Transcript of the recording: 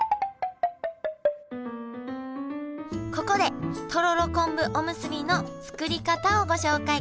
ここでとろろ昆布おむすびの作り方をご紹介。